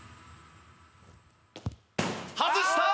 外したー！